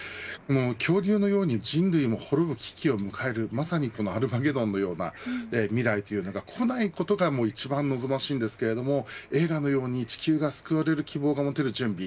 恐竜のように人類も滅ぶ危機を迎えるまさにアルマゲドンのような未来というのがこないことが一番望ましいですが映画のように地球が救われる希望が持てる準備。